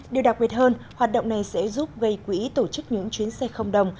điều đặc biệt hơn hoạt động này sẽ giúp gây quỹ tổ chức những chuyến xe không đồng